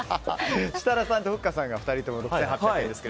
設楽さんとふっかさんが６８００円ですが。